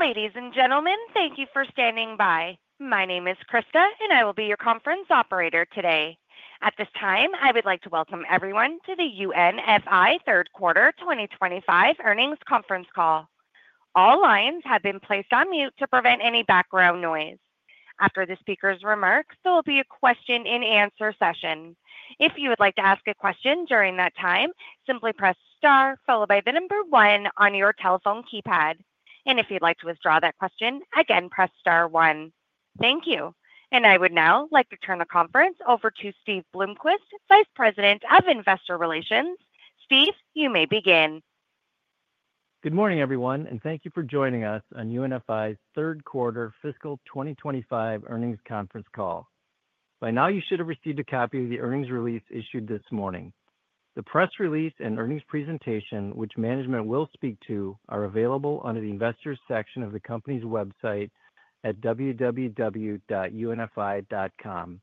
Ladies and gentlemen, thank you for standing by. My name is Krista, and I will be your conference operator today. At this time, I would like to welcome everyone to the UNFI Third Quarter 2025 Earnings Conference Call. All lines have been placed on mute to prevent any background noise. After the speaker's remarks, there will be a question-and-answer session. If you would like to ask a question during that time, simply press star followed by the number one on your telephone keypad. If you'd like to withdraw that question, again, press star one. Thank you. I would now like to turn the conference over to Steve Bloomquist, Vice President of Investor Relations. Steve, you may begin. Good morning, everyone, and thank you for joining us on UNFI's Third Quarter Fiscal 2025 Earnings Conference Call. By now, you should have received a copy of the earnings release issued this morning. The press release and earnings presentation, which management will speak to, are available under the investors' section of the company's website at www.unfi.com.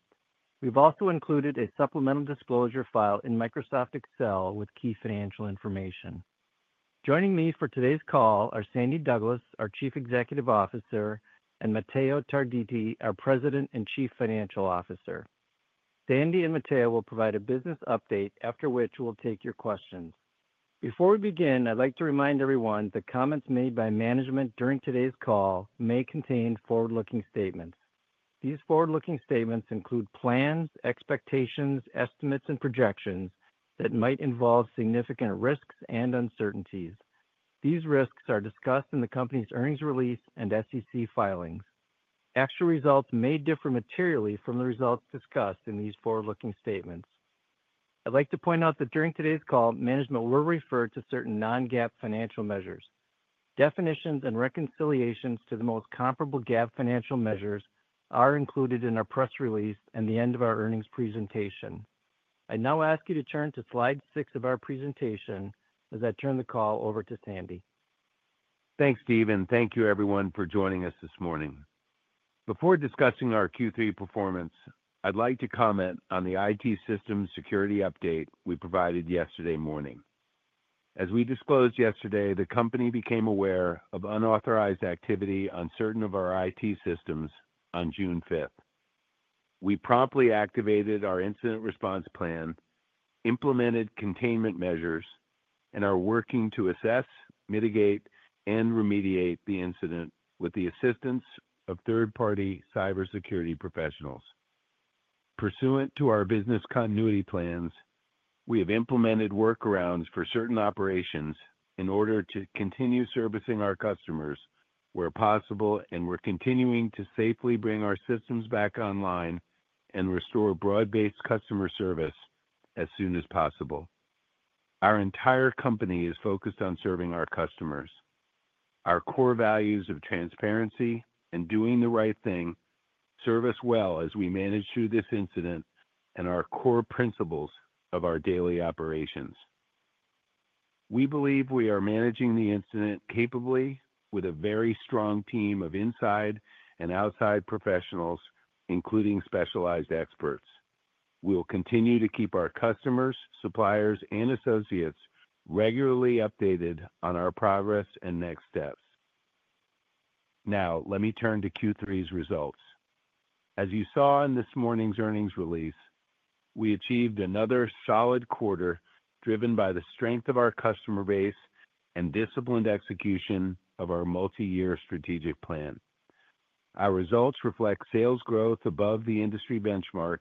We have also included a supplemental disclosure file in Microsoft Excel with key financial information. Joining me for today's call are Sandy Douglas, our Chief Executive Officer, and Matteo Tarditi, our President and Chief Financial Officer. Sandy and Matteo will provide a business update, after which we will take your questions. Before we begin, I would like to remind everyone that comments made by management during today's call may contain forward-looking statements. These forward-looking statements include plans, expectations, estimates, and projections that might involve significant risks and uncertainties. These risks are discussed in the company's earnings release and SEC filings. Actual results may differ materially from the results discussed in these forward-looking statements. I'd like to point out that during today's call, management will refer to certain non-GAAP financial measures. Definitions and reconciliations to the most comparable GAAP financial measures are included in our press release and the end of our earnings presentation. I now ask you to turn to slide six of our presentation as I turn the call over to Sandy. Thanks, Steven, and thank you, everyone, for joining us this morning. Before discussing our Q3 performance, I'd like to comment on the IT system security update we provided yesterday morning. As we disclosed yesterday, the company became aware of unauthorized activity on certain of our IT systems on June 5th. We promptly activated our incident response plan, implemented containment measures, and are working to assess, mitigate, and remediate the incident with the assistance of third-party cybersecurity professionals. Pursuant to our business continuity plans, we have implemented workarounds for certain operations in order to continue servicing our customers where possible, and we're continuing to safely bring our systems back online and restore broad-based customer service as soon as possible. Our entire company is focused on serving our customers. Our core values of transparency and doing the right thing serve us well as we manage through this incident and our core principles of our daily operations. We believe we are managing the incident capably with a very strong team of inside and outside professionals, including specialized experts. We'll continue to keep our customers, suppliers, and associates regularly updated on our progress and next steps. Now, let me turn to Q3's results. As you saw in this morning's earnings release, we achieved another solid quarter driven by the strength of our customer base and disciplined execution of our multi-year strategic plan. Our results reflect sales growth above the industry benchmark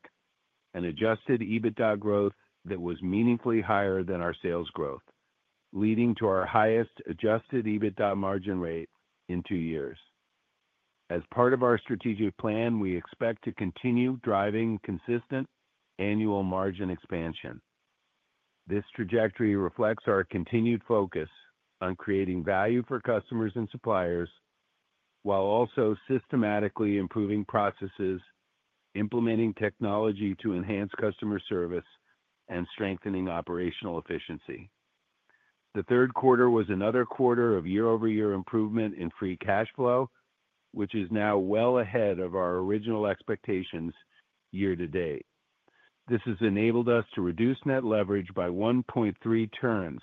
and adjusted EBITDA growth that was meaningfully higher than our sales growth, leading to our highest adjusted EBITDA margin rate in two years. As part of our strategic plan, we expect to continue driving consistent annual margin expansion. This trajectory reflects our continued focus on creating value for customers and suppliers while also systematically improving processes, implementing technology to enhance customer service, and strengthening operational efficiency. The third quarter was another quarter of year-over-year improvement in free cash flow, which is now well ahead of our original expectations year to date. This has enabled us to reduce net leverage by 1.3 turns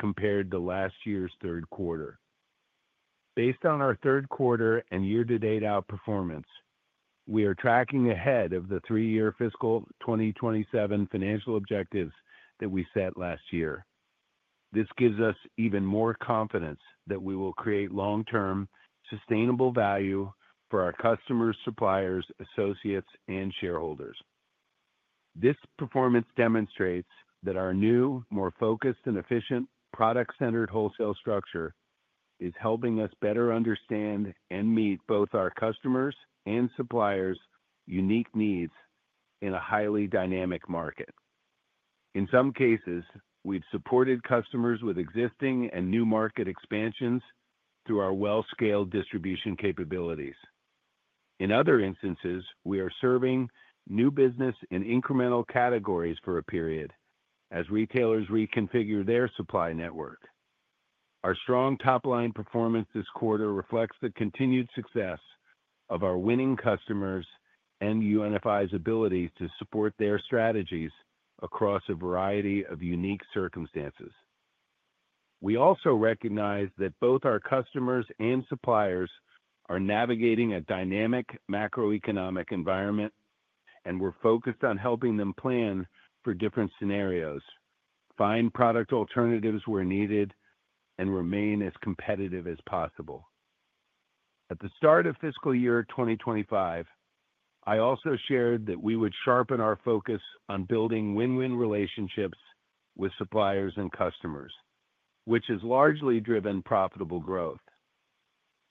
compared to last year's third quarter. Based on our third quarter and year-to-date outperformance, we are tracking ahead of the three-year fiscal 2027 financial objectives that we set last year. This gives us even more confidence that we will create long-term sustainable value for our customers, suppliers, associates, and shareholders. This performance demonstrates that our new, more focused and efficient product-centered wholesale structure is helping us better understand and meet both our customers' and suppliers' unique needs in a highly dynamic market. In some cases, we've supported customers with existing and new market expansions through our well-scaled distribution capabilities. In other instances, we are serving new business in incremental categories for a period as retailers reconfigure their supply network. Our strong top-line performance this quarter reflects the continued success of our winning customers and UNFI's ability to support their strategies across a variety of unique circumstances. We also recognize that both our customers and suppliers are navigating a dynamic macroeconomic environment, and we're focused on helping them plan for different scenarios, find product alternatives where needed, and remain as competitive as possible. At the start of fiscal year 2025, I also shared that we would sharpen our focus on building win-win relationships with suppliers and customers, which has largely driven profitable growth.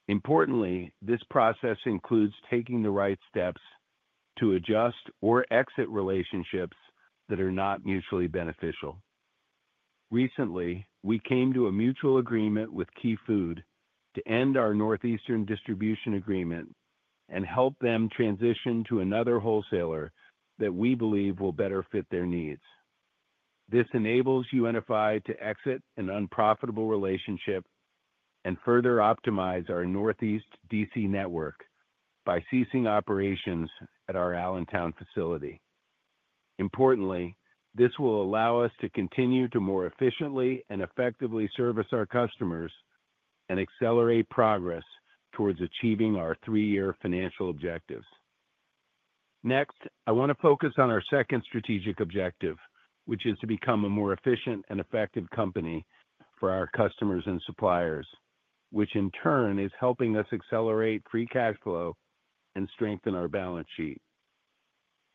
Importantly, this process includes taking the right steps to adjust or exit relationships that are not mutually beneficial. Recently, we came to a mutual agreement with Key Food to end our Northeastern distribution agreement and help them transition to another wholesaler that we believe will better fit their needs. This enables UNFI to exit an unprofitable relationship and further optimize our Northeast DC network by ceasing operations at our Allentown facility. Importantly, this will allow us to continue to more efficiently and effectively service our customers and accelerate progress towards achieving our three-year financial objectives. Next, I want to focus on our second strategic objective, which is to become a more efficient and effective company for our customers and suppliers, which in turn is helping us accelerate free cash flow and strengthen our balance sheet.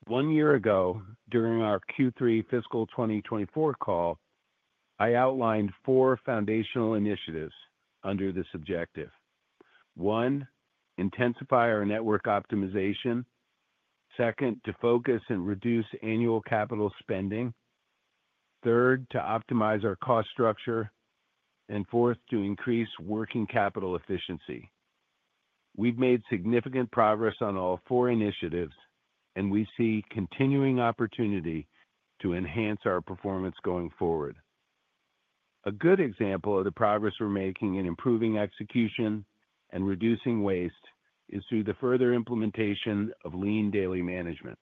One year ago, during our Q3 fiscal 2024 call, I outlined four foundational initiatives under this objective. One, intensify our network optimization. Second, to focus and reduce annual capital spending. Third, to optimize our cost structure. Fourth, to increase working capital efficiency. We've made significant progress on all four initiatives, and we see continuing opportunity to enhance our performance going forward. A good example of the progress we're making in improving execution and reducing waste is through the further implementation of Lean Daily Management.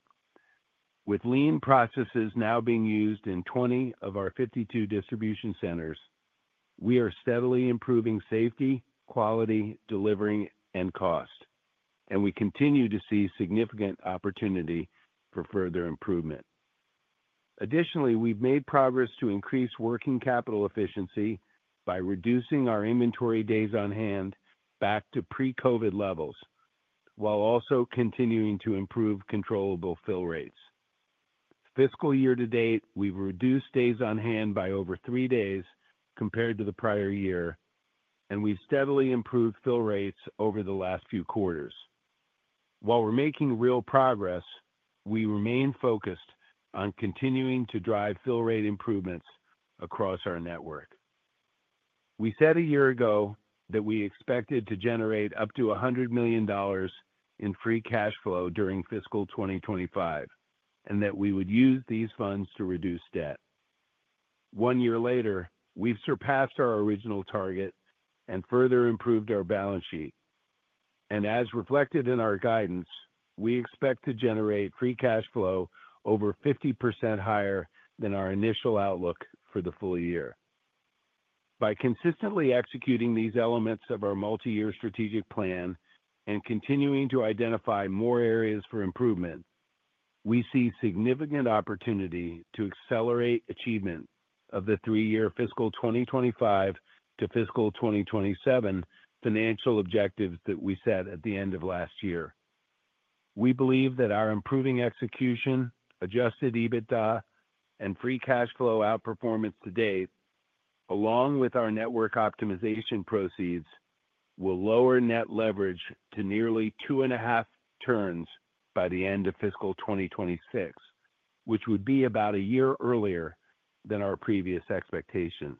With lean processes now being used in 20 of our 52 distribution centers, we are steadily improving safety, quality, delivery, and cost, and we continue to see significant opportunity for further improvement. Additionally, we've made progress to increase working capital efficiency by reducing our inventory days on hand back to pre-COVID levels, while also continuing to improve controllable fill rates. Fiscal year to date, we've reduced days on hand by over three days compared to the prior year, and we've steadily improved fill rates over the last few quarters. While we're making real progress, we remain focused on continuing to drive fill rate improvements across our network. We said a year ago that we expected to generate up to $100 million in free cash flow during fiscal 2025 and that we would use these funds to reduce debt. One year later, we've surpassed our original target and further improved our balance sheet. As reflected in our guidance, we expect to generate free cash flow over 50% higher than our initial outlook for the full year. By consistently executing these elements of our multi-year strategic plan and continuing to identify more areas for improvement, we see significant opportunity to accelerate achievement of the three-year fiscal 2025 to fiscal 2027 financial objectives that we set at the end of last year. We believe that our improving execution, adjusted EBITDA, and free cash flow outperformance to date, along with our network optimization proceeds, will lower net leverage to nearly two and a half turns by the end of fiscal 2026, which would be about a year earlier than our previous expectations.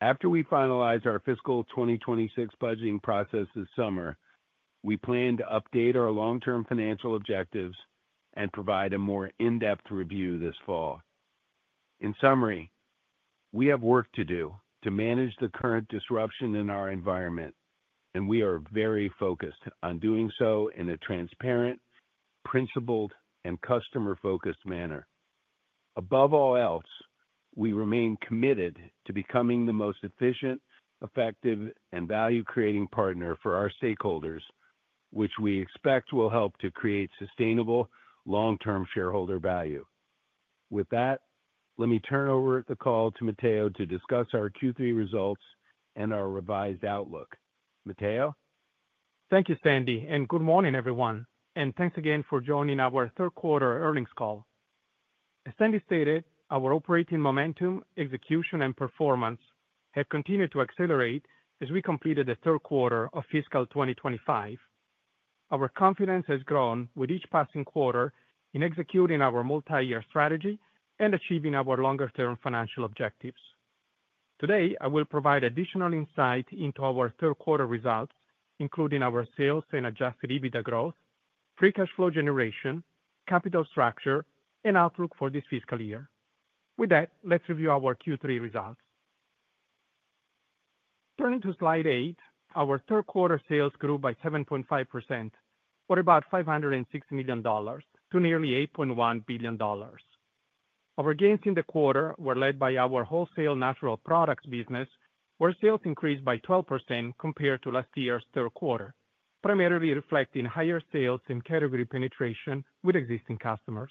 After we finalize our fiscal 2026 budgeting process this summer, we plan to update our long-term financial objectives and provide a more in-depth review this fall. In summary, we have work to do to manage the current disruption in our environment, and we are very focused on doing so in a transparent, principled, and customer-focused manner. Above all else, we remain committed to becoming the most efficient, effective, and value-creating partner for our stakeholders, which we expect will help to create sustainable long-term shareholder value. With that, let me turn over the call to Matteo to discuss our Q3 results and our revised outlook. Matteo? Thank you, Sandy, and good morning, everyone. Thank you again for joining our third quarter earnings call. As Sandy stated, our operating momentum, execution, and performance have continued to accelerate as we completed the third quarter of fiscal 2025. Our confidence has grown with each passing quarter in executing our multi-year strategy and achieving our longer-term financial objectives. Today, I will provide additional insight into our third quarter results, including our sales and adjusted EBITDA growth, free cash flow generation, capital structure, and outlook for this fiscal year. With that, let's review our Q3 results. Turning to slide eight, our third quarter sales grew by 7.5% or about $560 million to nearly $8.1 billion. Our gains in the quarter were led by our wholesale natural products business, where sales increased by 12% compared to last year's third quarter, primarily reflecting higher sales and category penetration with existing customers.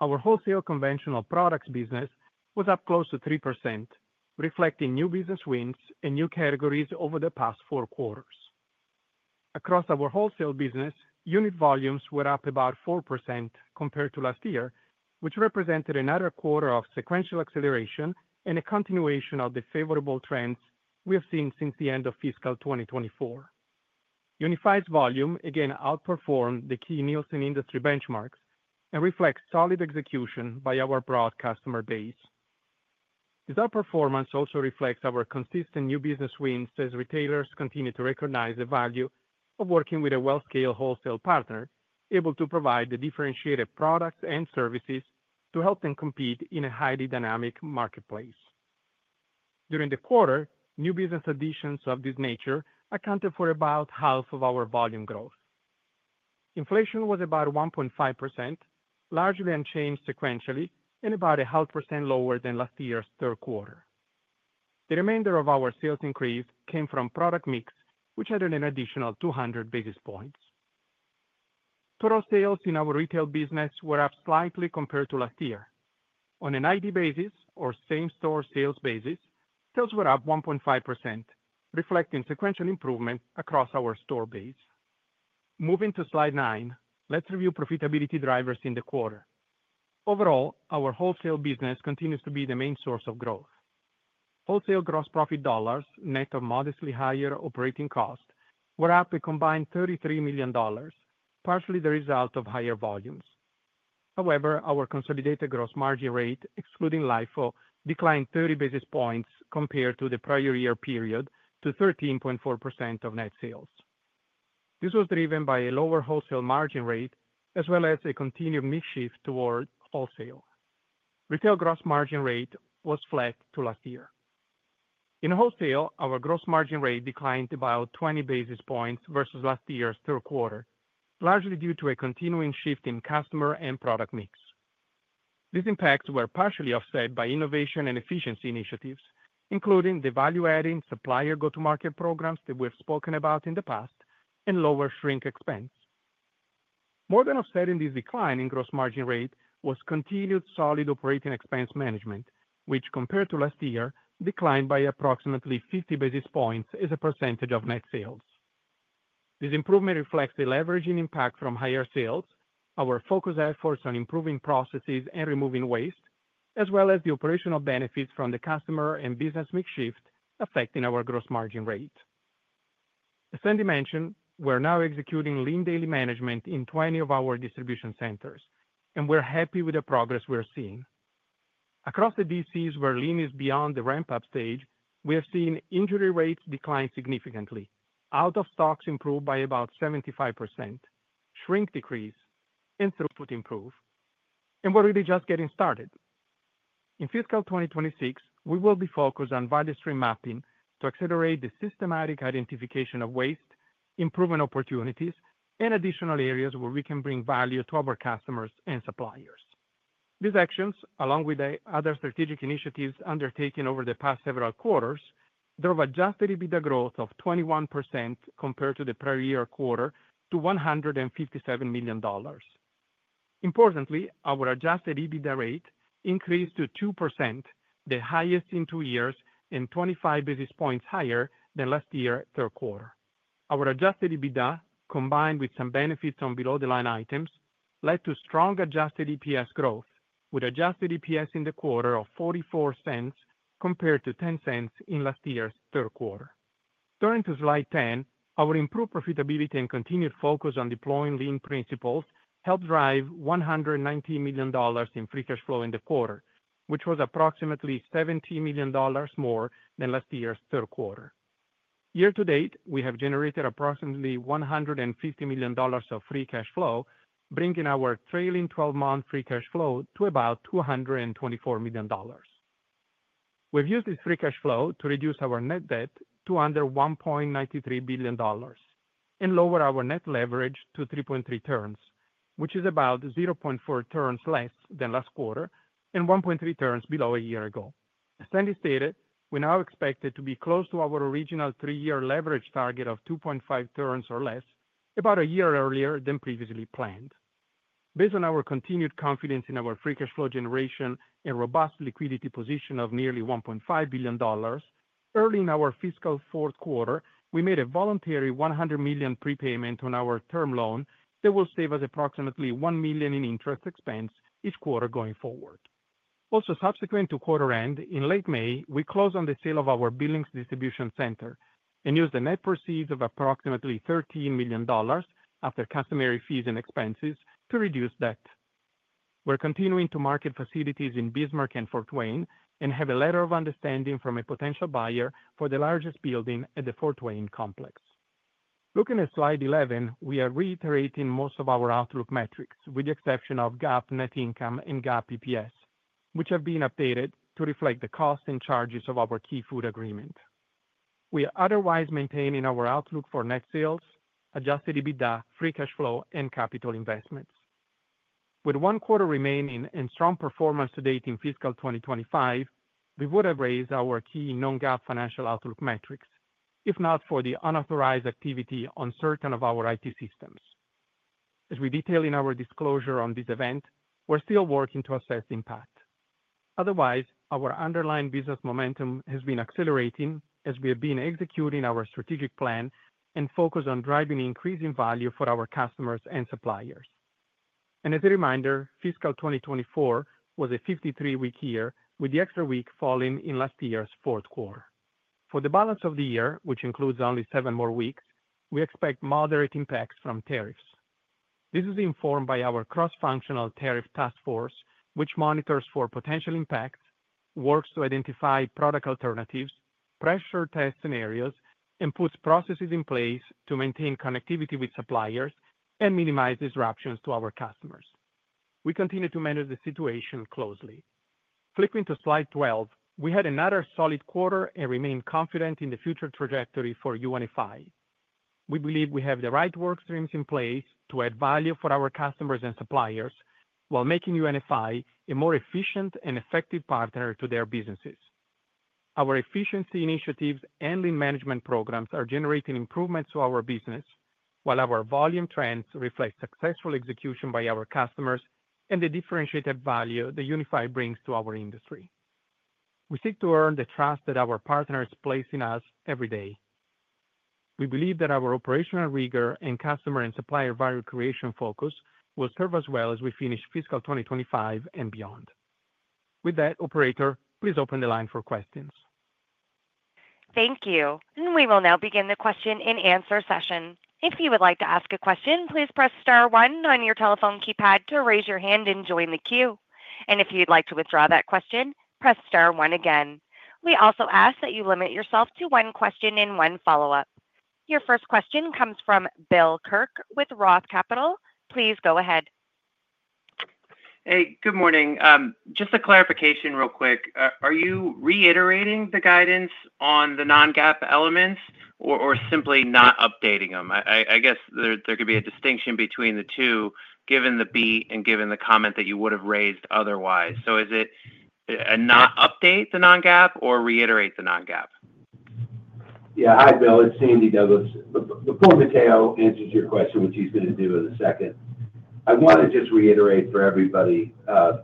Our wholesale conventional products business was up close to 3%, reflecting new business wins and new categories over the past four quarters. Across our wholesale business, unit volumes were up about 4% compared to last year, which represented another quarter of sequential acceleration and a continuation of the favorable trends we have seen since the end of fiscal 2024. Unified's volume again outperformed the key Nielsen industry benchmarks and reflects solid execution by our broad customer base. This outperformance also reflects our consistent new business wins as retailers continue to recognize the value of working with a well-scaled wholesale partner able to provide the differentiated products and services to help them compete in a highly dynamic marketplace. During the quarter, new business additions of this nature accounted for about half of our volume growth. Inflation was about 1.5%, largely unchanged sequentially, and about a half percent lower than last year's third quarter. The remainder of our sales increase came from product mix, which added an additional 200 basis points. Total sales in our retail business were up slightly compared to last year. On an ID basis or same-store sales basis, sales were up 1.5%, reflecting sequential improvement across our store base. Moving to slide nine, let's review profitability drivers in the quarter. Overall, our wholesale business continues to be the main source of growth. Wholesale gross profit dollars, net of modestly higher operating cost, were up a combined $33 million, partially the result of higher volumes. However, our consolidated gross margin rate, excluding LIFO, declined 30 basis points compared to the prior year period to 13.4% of net sales. This was driven by a lower wholesale margin rate as well as a continued mix shift toward wholesale. Retail gross margin rate was flat to last year. In wholesale, our gross margin rate declined about 20 basis points versus last year's third quarter, largely due to a continuing shift in customer and product mix. These impacts were partially offset by innovation and efficiency initiatives, including the value-adding supplier go-to-market programs that we've spoken about in the past and lower shrink expense. More than offsetting this decline in gross margin rate was continued solid operating expense management, which compared to last year declined by approximately 50 basis points as a percentage of net sales. This improvement reflects the leveraging impact from higher sales, our focused efforts on improving processes and removing waste, as well as the operational benefits from the customer and business mix shift affecting our gross margin rate. As Sandy mentioned, we're now executing lean daily management in 20 of our distribution centers, and we're happy with the progress we're seeing. Across the DCs where lean is beyond the ramp-up stage, we have seen injury rates decline significantly, out-of-stocks improve by about 75%, shrink decrease, and throughput improve. We're really just getting started. In fiscal 2026, we will be focused on value stream mapping to accelerate the systematic identification of waste, improvement opportunities, and additional areas where we can bring value to our customers and suppliers. These actions, along with other strategic initiatives undertaken over the past several quarters, drove adjusted EBITDA growth of 21% compared to the prior year quarter to $157 million. Importantly, our adjusted EBITDA rate increased to 2%, the highest in two years and 25 basis points higher than last year's third quarter. Our adjusted EBITDA, combined with some benefits on below-the-line items, led to strong adjusted EPS growth, with adjusted EPS in the quarter of $0.44 compared to $0.10 in last year's third quarter. Turning to slide 10, our improved profitability and continued focus on deploying lean principles helped drive $119 million in free cash flow in the quarter, which was approximately $17 million more than last year's third quarter. Year to date, we have generated approximately $150 million of free cash flow, bringing our trailing 12-month free cash flow to about $224 million. We've used this free cash flow to reduce our net debt to under $1.93 billion and lower our net leverage to 3.3 turns, which is about 0.4 turns less than last quarter and 1.3 turns below a year ago. As Sandy stated, we're now expected to be close to our original three-year leverage target of 2.5 turns or less, about a year earlier than previously planned. Based on our continued confidence in our free cash flow generation and robust liquidity position of nearly $1.5 billion, early in our fiscal fourth quarter, we made a voluntary $100 million prepayment on our term loan that will save us approximately $1 million in interest expense each quarter going forward. Also, subsequent to quarter end, in late May, we closed on the sale of our Billings distribution center and used the net proceeds of approximately $13 million after customary fees and expenses to reduce debt. We're continuing to market facilities in Bismarck and Fort Wayne and have a letter of understanding from a potential buyer for the largest building at the Fort Wayne complex. Looking at slide 11, we are reiterating most of our outlook metrics with the exception of GAAP net income and GAAP EPS, which have been updated to reflect the costs and charges of our Key Food agreement. We are otherwise maintaining our outlook for net sales, adjusted EBITDA, free cash flow, and capital investments. With one quarter remaining and strong performance to date in fiscal 2025, we would have raised our key non-GAAP financial outlook metrics if not for the unauthorized activity on certain of our IT systems. As we detail in our disclosure on this event, we're still working to assess impact. Otherwise, our underlying business momentum has been accelerating as we have been executing our strategic plan and focus on driving increasing value for our customers and suppliers. As a reminder, fiscal 2024 was a 53-week year with the extra week falling in last year's fourth quarter. For the balance of the year, which includes only seven more weeks, we expect moderate impacts from tariffs. This is informed by our cross-functional tariff task force, which monitors for potential impacts, works to identify product alternatives, pressure test scenarios, and puts processes in place to maintain connectivity with suppliers and minimize disruptions to our customers. We continue to manage the situation closely. Flicking to slide 12, we had another solid quarter and remain confident in the future trajectory for UNFI. We believe we have the right workstreams in place to add value for our customers and suppliers while making UNFI a more efficient and effective partner to their businesses. Our efficiency initiatives and lean management programs are generating improvements to our business, while our volume trends reflect successful execution by our customers and the differentiated value that UNFI brings to our industry. We seek to earn the trust that our partners place in us every day. We believe that our operational rigor and customer and supplier value creation focus will serve us well as we finish fiscal 2025 and beyond. With that, Operator, please open the line for questions. Thank you. We will now begin the question and answer session. If you would like to ask a question, please press star one on your telephone keypad to raise your hand and join the queue. If you'd like to withdraw that question, press star one again. We also ask that you limit yourself to one question and one follow-up. Your first question comes from Bill Kirk with ROTH Capital. Please go ahead. Hey, good morning. Just a clarification real quick. Are you reiterating the guidance on the non-GAAP elements or simply not updating them? I guess there could be a distinction between the two given the beat and given the comment that you would have raised otherwise. Is it a not update the non-GAAP or reiterate the non-GAAP? Yeah. Hi, Bill. It's Sandy Douglas. Before Matteo answers your question, which he's going to do in a second, I want to just reiterate for everybody a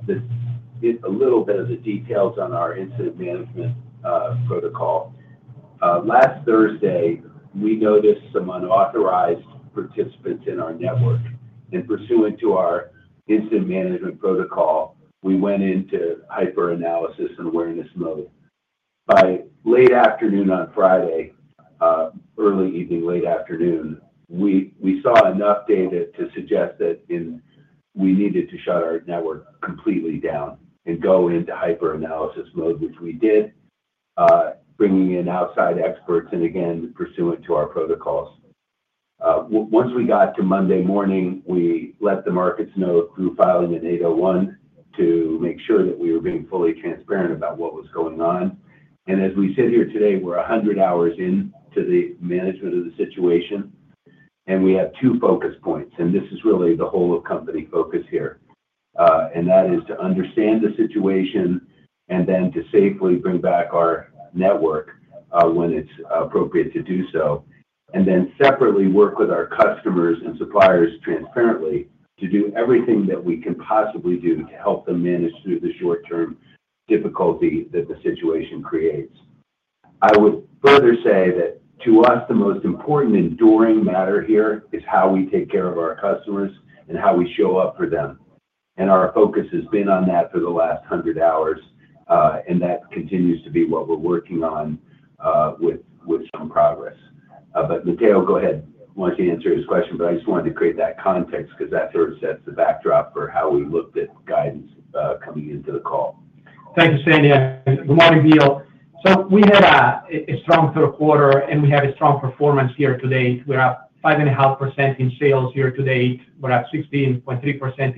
little bit of the details on our incident management protocol. Last Thursday, we noticed some unauthorized participants in our network. Pursuant to our incident management protocol, we went into hyper-analysis and awareness mode. By late afternoon on Friday, early evening, late afternoon, we saw enough data to suggest that we needed to shut our network completely down and go into hyper-analysis mode, which we did, bringing in outside experts and again, pursuant to our protocols. Once we got to Monday morning, we let the markets know through filing an 801 to make sure that we were being fully transparent about what was going on. As we sit here today, we're 100 hours into the management of the situation, and we have two focus points. This is really the whole-of-company focus here. That is to understand the situation and then to safely bring back our network when it's appropriate to do so. Separately, work with our customers and suppliers transparently to do everything that we can possibly do to help them manage through the short-term difficulty that the situation creates. I would further say that to us, the most important enduring matter here is how we take care of our customers and how we show up for them. Our focus has been on that for the last 100 hours, and that continues to be what we're working on with some progress. Matteo, go ahead. He wants to answer his question, but I just wanted to create that context because that sort of sets the backdrop for how we looked at guidance coming into the call. Thank you, Sandy. Good morning, Bill. We had a strong third quarter, and we have a strong performance year to date. We are up 5.5% in sales year to date. We are up 16.3% in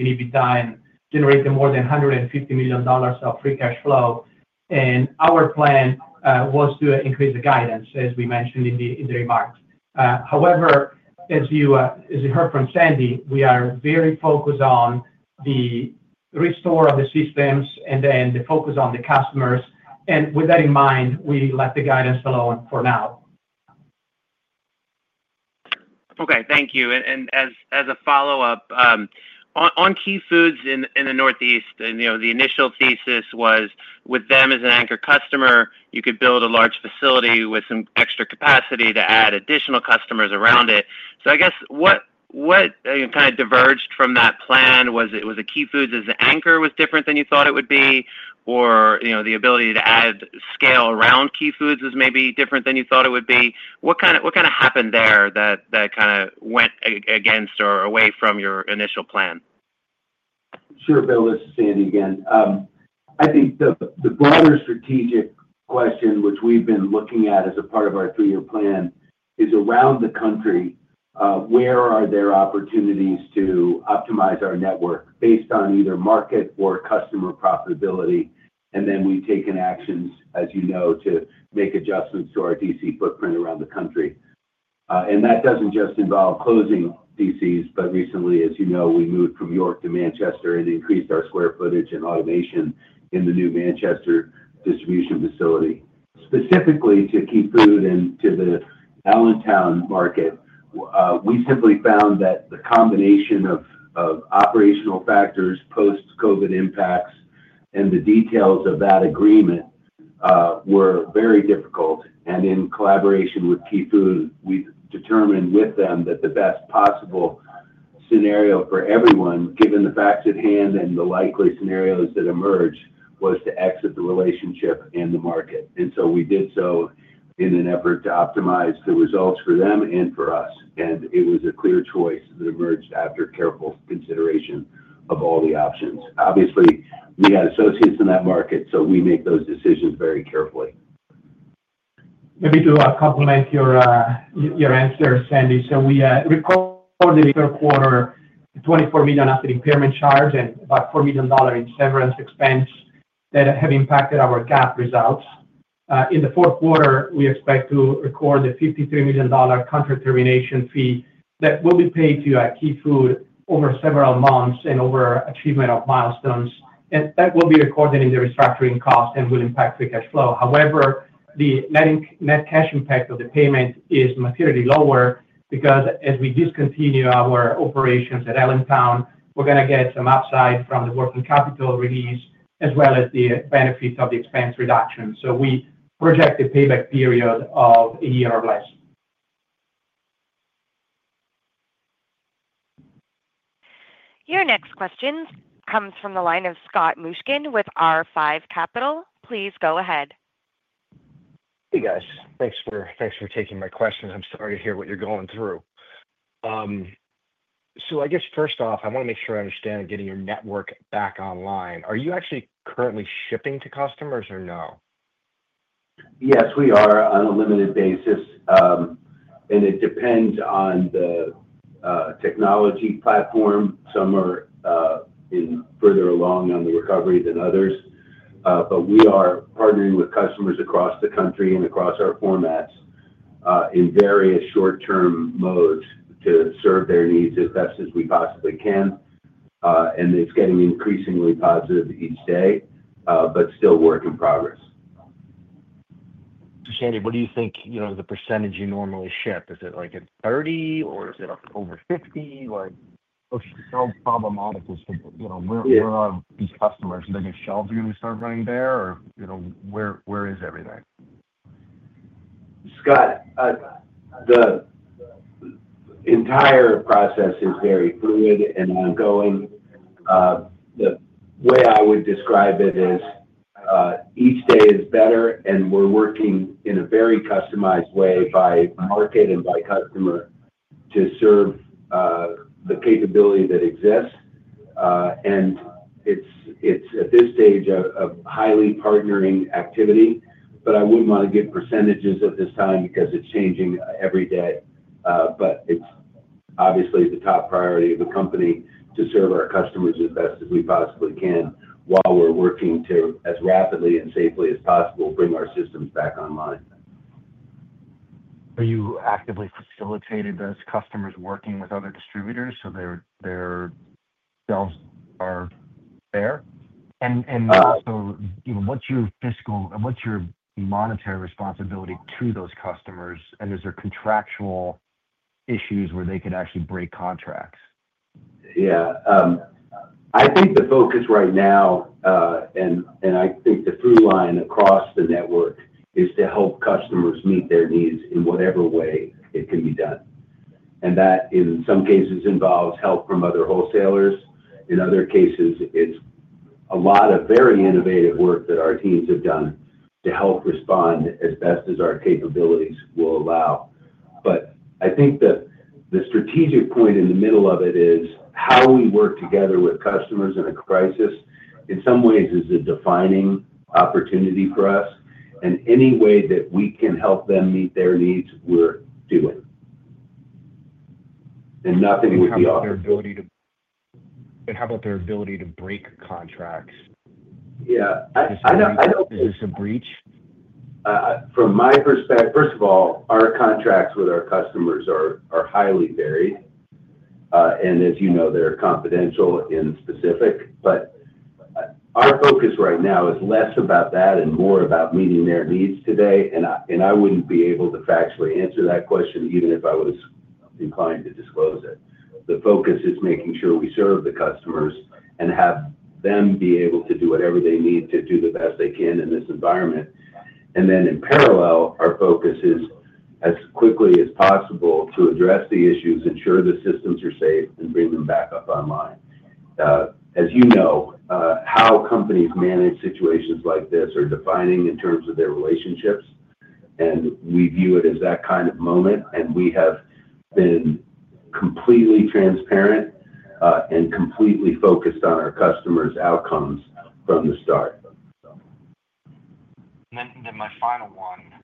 EBITDA and generating more than $150 million of free cash flow. Our plan was to increase the guidance, as we mentioned in the remarks. However, as you heard from Sandy, we are very focused on the restore of the systems and then the focus on the customers. With that in mind, we left the guidance alone for now. Okay. Thank you. As a follow-up, on Key Food in the Northeast, the initial thesis was with them as an anchor customer, you could build a large facility with some extra capacity to add additional customers around it. I guess what kind of diverged from that plan? Was it Key Food as an anchor was different than you thought it would be, or the ability to add scale around Key Food was maybe different than you thought it would be? What kind of happened there that went against or away from your initial plan? Sure, Bill. This is Sandy again. I think the broader strategic question, which we've been looking at as a part of our three-year plan, is around the country, where are there opportunities to optimize our network based on either market or customer profitability? We have taken actions, as you know, to make adjustments to our DC footprint around the country. That does not just involve closing DCs, but recently, as you know, we moved from York to Manchester and increased our square footage and automation in the new Manchester distribution facility. Specifically to Key Food and to the Allentown market, we simply found that the combination of operational factors, post-COVID impacts, and the details of that agreement were very difficult. In collaboration with Key Food, we determined with them that the best possible scenario for everyone, given the facts at hand and the likely scenarios that emerge, was to exit the relationship and the market. We did so in an effort to optimize the results for them and for us. It was a clear choice that emerged after careful consideration of all the options. Obviously, we had associates in that market, so we make those decisions very carefully. Maybe to complement your answer, Sandy, we recorded the third quarter, $24 million after the impairment charge and about $4 million in severance expense that have impacted our GAAP results. In the fourth quarter, we expect to record the $53 million contract termination fee that will be paid to Key Food over several months and over achievement of milestones. That will be recorded in the restructuring cost and will impact free cash flow. However, the net cash impact of the payment is materially lower because as we discontinue our operations at Allentown, we're going to get some upside from the working capital release as well as the benefit of the expense reduction. We project the payback period of a year or less. Your next question comes from the line of Scott Mushkin with R5 Capital. Please go ahead. Hey, guys. Thanks for taking my questions. I'm sorry to hear what you're going through. I guess first off, I want to make sure I understand getting your network back online. Are you actually currently shipping to customers or no? Yes, we are on a limited basis. It depends on the technology platform. Some are further along on the recovery than others. We are partnering with customers across the country and across our formats in various short-term modes to serve their needs as best as we possibly can. It is getting increasingly positive each day, but still work in progress. Sandy, what do you think is the percentage you normally ship? Is it like 30%, or is it over 50%? How problematic is it? Where are these customers? Is it sheltering and stuff right there, or where is everything? Scott, the entire process is very fluid and ongoing. The way I would describe it is each day is better, and we're working in a very customized way by market and by customer to serve the capability that exists. It's, at this stage, a highly partnering activity. I wouldn't want to give percentages at this time because it's changing every day. It's obviously the top priority of the company to serve our customers as best as we possibly can while we're working to, as rapidly and safely as possible, bring our systems back online. Are you actively facilitating those customers working with other distributors so their sales are fair? What is your fiscal and what is your monetary responsibility to those customers? Is there contractual issues where they could actually break contracts? Yeah. I think the focus right now, and I think the through line across the network, is to help customers meet their needs in whatever way it can be done. That, in some cases, involves help from other wholesalers. In other cases, it's a lot of very innovative work that our teams have done to help respond as best as our capabilities will allow. I think the strategic point in the middle of it is how we work together with customers in a crisis. In some ways, it's a defining opportunity for us. Any way that we can help them meet their needs, we're doing. Nothing would be offered. How about their ability to break contracts? Yeah. I don't. Is this a breach, From my perspective, first of all, our contracts with our customers are highly varied. As you know, they're confidential and specific. Our focus right now is less about that and more about meeting their needs today. I wouldn't be able to factually answer that question even if I was inclined to disclose it. The focus is making sure we serve the customers and have them be able to do whatever they need to do the best they can in this environment. In parallel, our focus is, as quickly as possible, to address the issues, ensure the systems are safe, and bring them back up online. As you know, how companies manage situations like this are defining in terms of their relationships. We view it as that kind of moment. We have been completely transparent and completely focused on our customers' outcomes from the start. My final one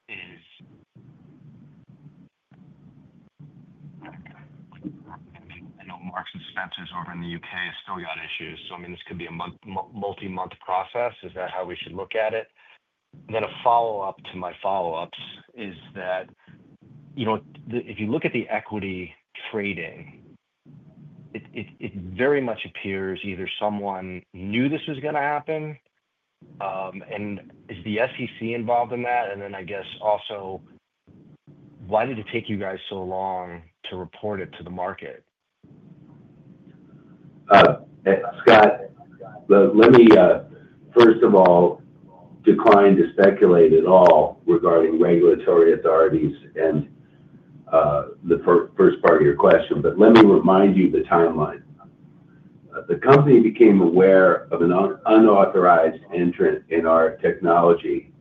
is, I know Marks and Spencer's over in the U.K. has still got issues. I mean, this could be a multi-month process. Is that how we should look at it? A follow-up to my follow-ups is that if you look at the equity trading, it very much appears either someone knew this was going to happen. Is the SEC involved in that? I guess also, why did it take you guys so long to report it to the market? Scott, let me, first of all, decline to speculate at all regarding regulatory authorities and the first part of your question. Let me remind you the timeline. The company became aware of an unauthorized entrant in our technology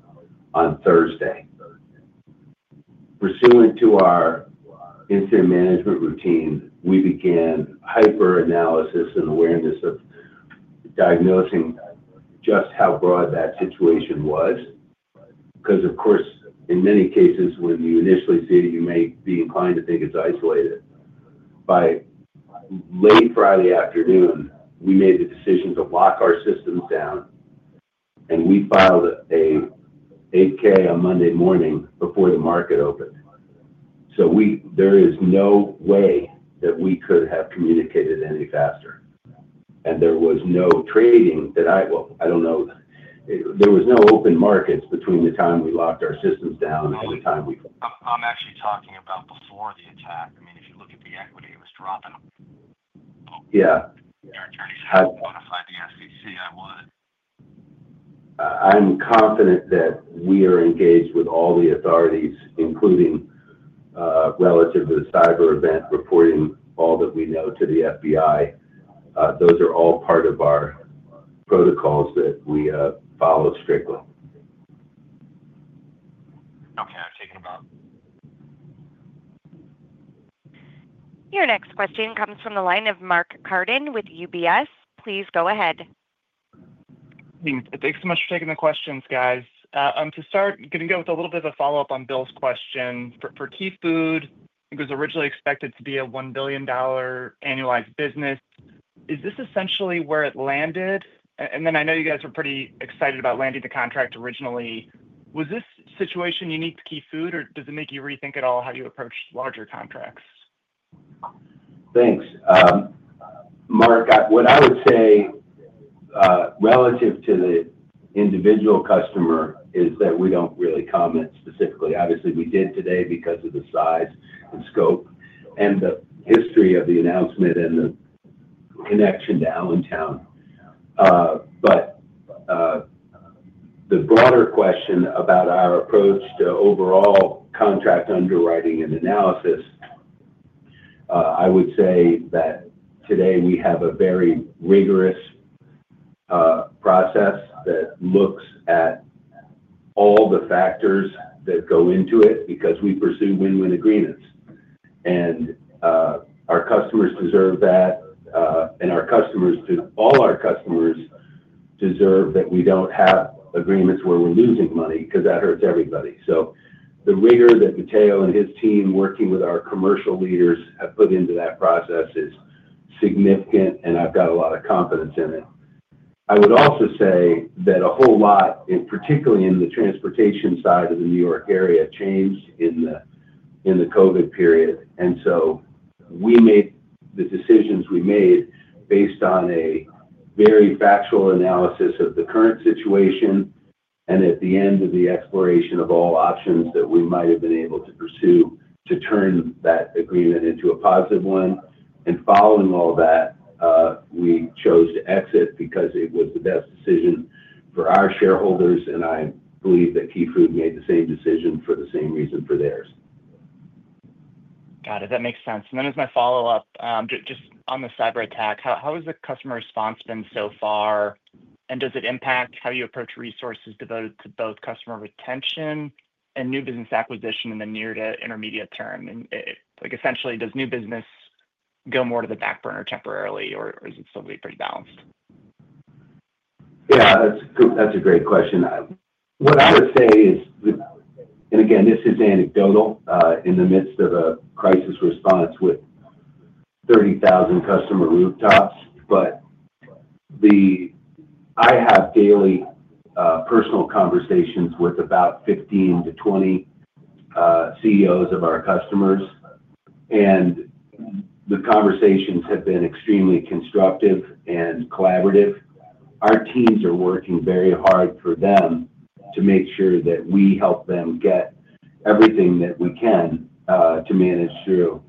on Thursday. Pursuant to our incident management routine, we began hyper-analysis and awareness of diagnosing just how broad that situation was. Because, of course, in many cases, when you initially see it, you may be inclined to think it's isolated. By late Friday afternoon, we made the decision to lock our systems down. We filed an 8K on Monday morning before the market opened. There is no way that we could have communicated any faster. There was no trading that I—well, I don't know. There was no open markets between the time we locked our systems down and the time we. I'm actually talking about before the attack. I mean, if you look at the equity, it was dropping. Yeah. Your attorneys have notified the SEC. I would. I'm confident that we are engaged with all the authorities, including relative to the cyber event, reporting all that we know to the FBI. Those are all part of our protocols that we follow strictly. Okay. I've taken about. Your next question comes from the line of Mark Carden with UBS. Please go ahead. Hey, thanks so much for taking the questions, guys. To start, I'm going to go with a little bit of a follow-up on Bill's question. For Key Food, it was originally expected to be a $1 billion annualized business. Is this essentially where it landed? I know you guys were pretty excited about landing the contract originally. Was this situation unique to Key Food, or does it make you rethink at all how you approach larger contracts? Thanks. Mark, what I would say relative to the individual customer is that we do not really comment specifically. Obviously, we did today because of the size and scope and the history of the announcement and the connection to Allentown. The broader question about our approach to overall contract underwriting and analysis, I would say that today we have a very rigorous process that looks at all the factors that go into it because we pursue win-win agreements. Our customers deserve that. All our customers deserve that we do not have agreements where we are losing money because that hurts everybody. The rigor that Matteo and his team working with our commercial leaders have put into that process is significant, and I have got a lot of confidence in it. I would also say that a whole lot, particularly in the transportation side of the New York area, changed in the COVID period. We made the decisions we made based on a very factual analysis of the current situation and at the end of the exploration of all options that we might have been able to pursue to turn that agreement into a positive one. Following all that, we chose to exit because it was the best decision for our shareholders. I believe that Key Food made the same decision for the same reason for theirs. Got it. That makes sense. As my follow-up, just on the cyber attack, how has the customer response been so far? Does it impact how you approach resources devoted to both customer retention and new business acquisition in the near to intermediate term? Essentially, does new business go more to the back burner temporarily, or is it still going to be pretty balanced? Yeah, that's a great question. What I would say is, and again, this is anecdotal in the midst of a crisis response with 30,000 customer rooftops. I have daily personal conversations with about 15 - 20 CEOs of our customers. The conversations have been extremely constructive and collaborative. Our teams are working very hard for them to make sure that we help them get everything that we can to manage through.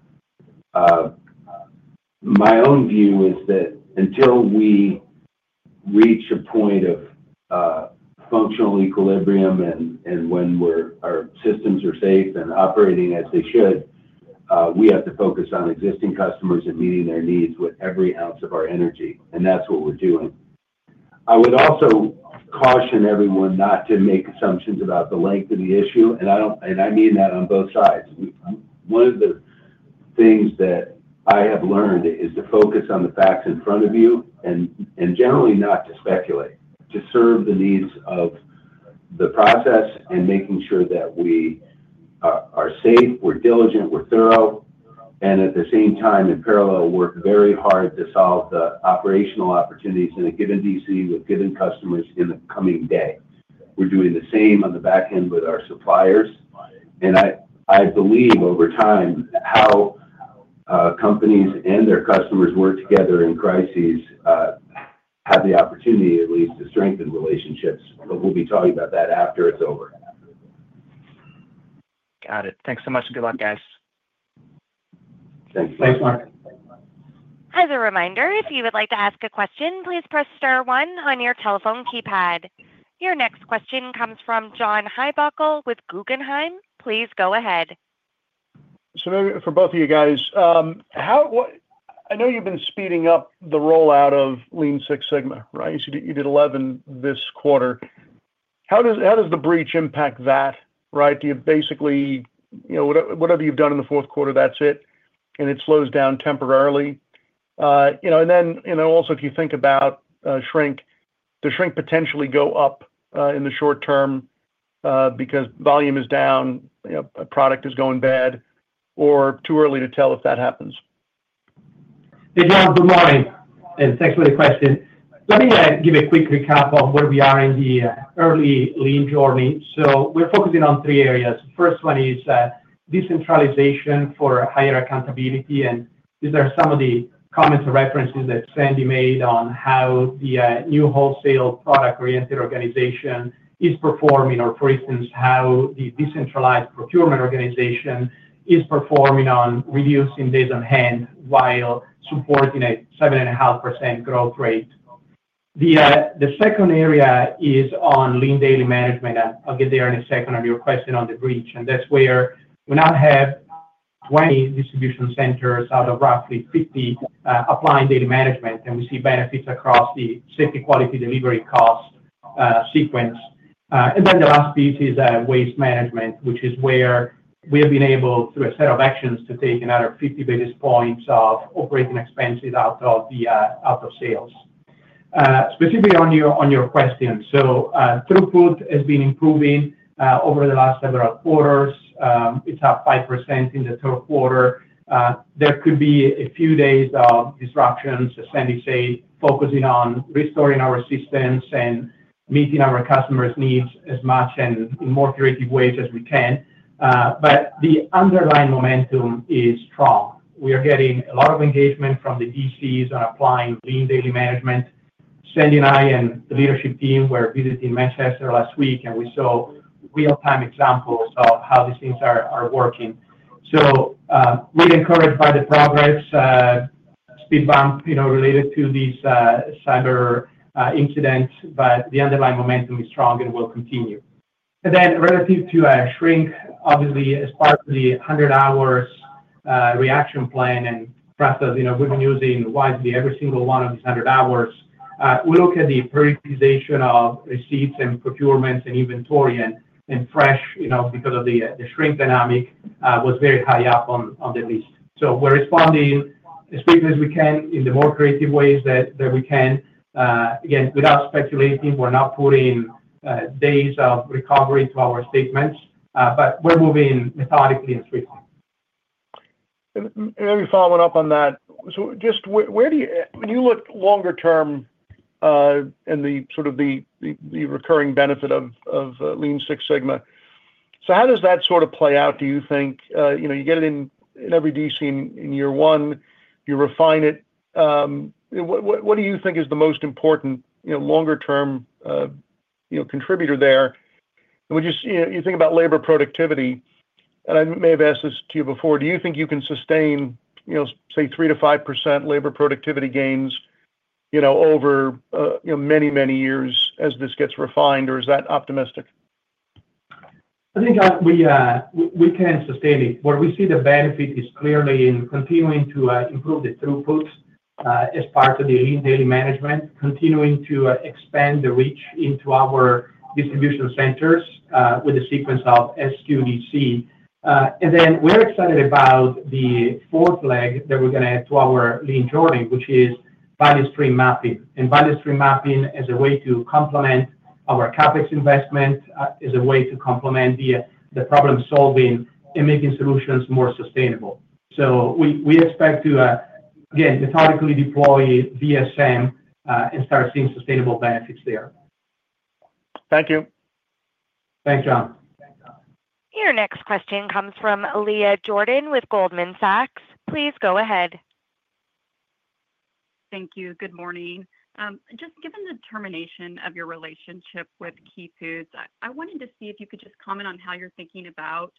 My own view is that until we reach a point of functional equilibrium and when our systems are safe and operating as they should, we have to focus on existing customers and meeting their needs with every ounce of our energy. That's what we're doing. I would also caution everyone not to make assumptions about the length of the issue. I mean that on both sides. One of the things that I have learned is to focus on the facts in front of you and generally not to speculate, to serve the needs of the process and making sure that we are safe, we're diligent, we're thorough, and at the same time, in parallel, work very hard to solve the operational opportunities in a given DC with given customers in the coming day. We're doing the same on the back end with our suppliers. I believe over time how companies and their customers work together in crises have the opportunity at least to strengthen relationships. We will be talking about that after it's over. Got it. Thanks so much. Good luck, guys. Thanks. Thanks, Mark. As a reminder, if you would like to ask a question, please press star one on your telephone keypad. Your next question comes from John Heinbockel with Guggenheim. Please go ahead. For both of you guys, I know you've been speeding up the rollout of Lean Six Sigma, right? You did 11 this quarter. How does the breach impact that, right? Do you basically, whatever you've done in the fourth quarter, that's it, and it slows down temporarily? Also, if you think about shrink, does shrink potentially go up in the short term because volume is down, a product is going bad, or too early to tell if that happens? Good morning. Thanks for the question. Let me give a quick recap of where we are in the early lean journey. We are focusing on three areas. The first one is decentralization for higher accountability. These are some of the comments and references that Sandy made on how the new wholesale product-oriented organization is performing, or for instance, how the decentralized procurement organization is performing on reducing days on hand while supporting a 7.5% growth rate. The second area is on lean daily management. I will get there in a second on your question on the breach. That is where we now have 20 distribution centers out of roughly 50 applying daily management. We see benefits across the safety quality delivery cost sequence. The last piece is waste management, which is where we have been able, through a set of actions, to take another 50 basis points of operating expenses out of sales. Specifically on your question, throughput has been improving over the last several quarters. It's up 5% in the third quarter. There could be a few days of disruptions, as Sandy said, focusing on restoring our systems and meeting our customers' needs as much and in more curative ways as we can. The underlying momentum is strong. We are getting a lot of engagement from the DCs on applying lean daily management. Sandy and I and the leadership team were visiting Manchester last week, and we saw real-time examples of how these things are working. We are encouraged by the progress, speed bump related to these cyber incidents, but the underlying momentum is strong and will continue. Relative to shrink, obviously, as part of the 100 hours reaction plan and process, we've been using widely every single one of these 100 hours. We look at the prioritization of receipts and procurements and inventory and fresh because the shrink dynamic was very high up on the list. We are responding as quickly as we can in the more creative ways that we can. Again, without speculating, we are not putting days of recovery to our statements, but we are moving methodically and swiftly. Maybe following up on that, just where do you, when you look longer term and the sort of the recurring benefit of Lean Six Sigma, how does that sort of play out, do you think? You get it in every DC in year one, you refine it. What do you think is the most important longer-term contributor there? You think about labor productivity, and I may have asked this to you before, do you think you can sustain, say, 3-5% labor productivity gains over many, many years as this gets refined, or is that optimistic? I think we can sustain it. What we see the benefit is clearly in continuing to improve the throughput as part of the lean daily management, continuing to expand the reach into our distribution centers with the sequence of SQDC. We are excited about the fourth leg that we are going to add to our lean journey, which is value stream mapping. Value stream mapping is a way to complement our CapEx investment, as a way to complement the problem-solving and making solutions more sustainable. We expect to, again, methodically deploy VSM and start seeing sustainable benefits there. Thank you. Thanks, John. Your next question comes from Leah Jordan with Goldman Sachs. Please go ahead. Thank you. Good morning. Just given the termination of your relationship with Key Food, I wanted to see if you could just comment on how you're thinking about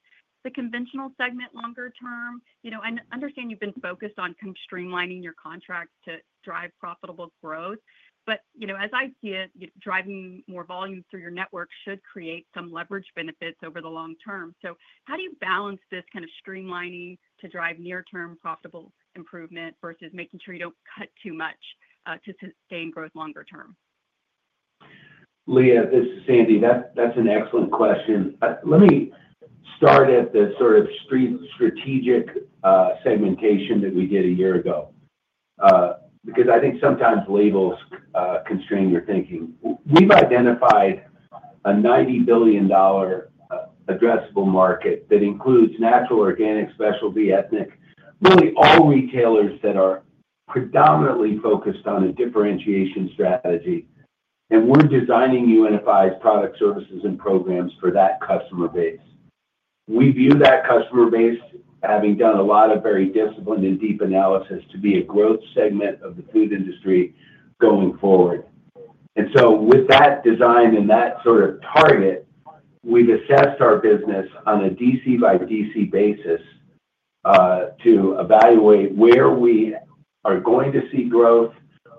the conventional segment longer term. I understand you've been focused on kind of streamlining your contracts to drive profitable growth. As I see it, driving more volume through your network should create some leverage benefits over the long term. How do you balance this kind of streamlining to drive near-term profitable improvement versus making sure you don't cut too much to sustain growth longer term? Leah, this is Sandy. That's an excellent question. Let me start at the sort of strategic segmentation that we did a year ago because I think sometimes labels constrain your thinking. We've identified a $90 billion addressable market that includes natural, organic, specialty, ethnic, really all retailers that are predominantly focused on a differentiation strategy. We're designing UNFI's product services and programs for that customer base. We view that customer base, having done a lot of very disciplined and deep analysis, to be a growth segment of the food industry going forward. With that design and that sort of target, we've assessed our business on a DC-by-DC basis to evaluate where we are going to see growth,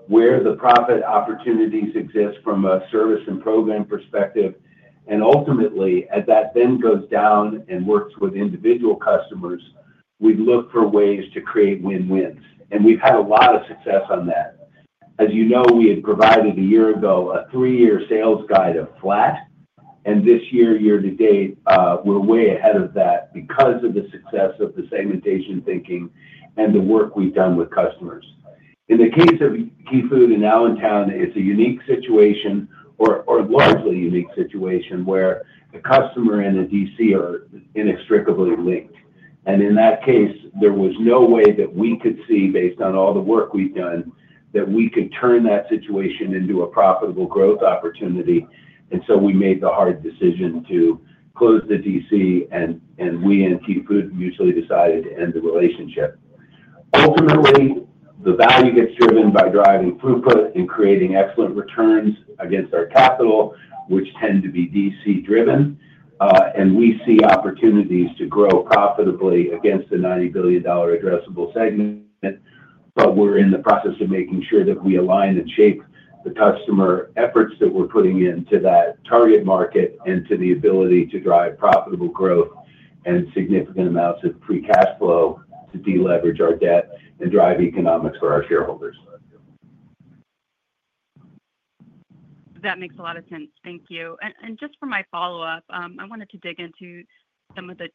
where the profit opportunities exist from a service and program perspective. Ultimately, as that then goes down and works with individual customers, we look for ways to create win-wins. We have had a lot of success on that. As you know, we had provided a year ago a three-year sales guide of flat. This year, year to date, we are way ahead of that because of the success of the segmentation thinking and the work we have done with customers. In the case of Key Food in Allentown, it is a unique situation or largely unique situation where a customer and a DC are inextricably linked. In that case, there was no way that we could see, based on all the work we have done, that we could turn that situation into a profitable growth opportunity. We made the hard decision to close the DC, and we and Key Food mutually decided to end the relationship. Ultimately, the value gets driven by driving throughput and creating excellent returns against our capital, which tend to be DC-driven. We see opportunities to grow profitably against the $90 billion addressable segment. We are in the process of making sure that we align and shape the customer efforts that we are putting into that target market and to the ability to drive profitable growth and significant amounts of free cash flow to deleverage our debt and drive economics for our shareholders. That makes a lot of sense. Thank you. Just for my follow-up, I wanted to dig into some of the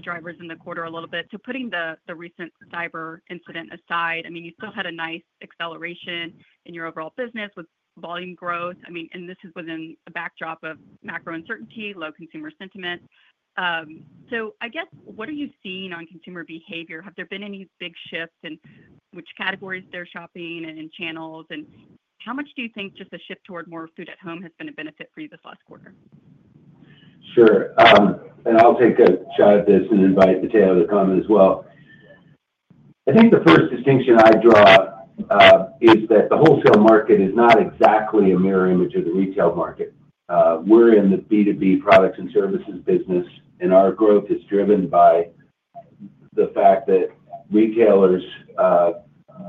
drivers in the quarter a little bit. Putting the recent cyber incident aside, I mean, you still had a nice acceleration in your overall business with volume growth. I mean, and this is within a backdrop of macro uncertainty, low consumer sentiment. I guess, what are you seeing on consumer behavior? Have there been any big shifts in which categories they're shopping and in channels? How much do you think just the shift toward more food at home has been a benefit for you this last quarter? Sure. I'll take a shot at this and invite Matteo to comment as well. I think the first distinction I draw is that the wholesale market is not exactly a mirror image of the retail market. We're in the B2B products and services business, and our growth is driven by the fact that retailers